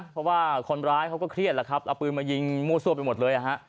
เพราะว่าคนร้ายเขาก็เครียดแล้วครับเอาปืนมายิงมั่วซั่วไปหมดเลยนะฮะ